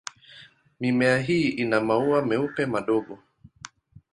Mimea hii ina maua meupe madogo.